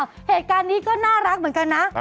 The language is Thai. เหตุการณ์นี้ก็น่ารักเหมือนกันนะ